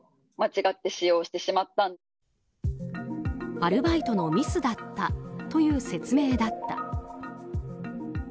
アルバイトのミスだったという説明だった。